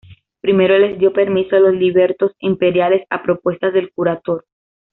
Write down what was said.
Primero les dio permiso a los libertos imperiales, a propuesta del curator.